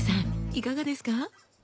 いかがですか？